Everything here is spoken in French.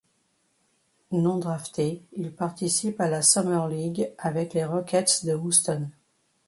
Non drafté, il participe à la Summer League avec les Rockets de Houston.